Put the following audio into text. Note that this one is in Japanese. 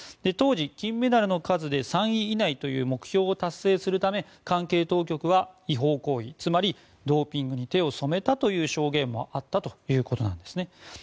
当時、金メダルの数で３位以内という目標達成のため関係当局は違法行為つまりドーピングに手を染めたという証言もあったということなんですね。